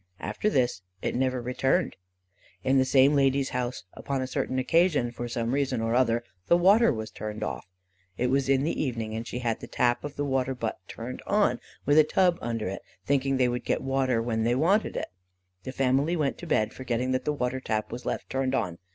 After this it never returned. In the same lady's house upon a certain occasion, for some reason or other, the water was turned off. It was in the evening, and she had the tap of the water butt turned on, with a tub under it, thinking they would get water when they wanted it. The family went to bed, forgetting that the water tap was left turned on.